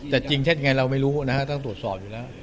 แต่จริงเท็จไงเราไม่รู้นะฮะต้องตรวจสอบอยู่แล้ว